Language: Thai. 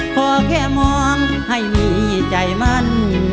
ขอแค่มองให้มีใจมัน